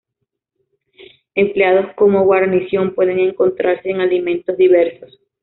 Empleados como guarnición pueden encontrarse en alimentos diversos.